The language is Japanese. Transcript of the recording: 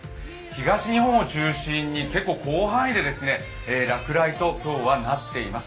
東日本を中心に結構広範囲で落雷と、今日はなっています。